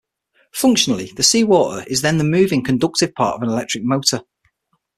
Functionally, the seawater is then the moving, conductive part of an electric motor.